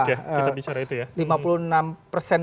karena jumlah penduduk ya kita bicara itu ya